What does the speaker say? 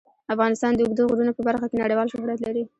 افغانستان د اوږده غرونه په برخه کې نړیوال شهرت لري.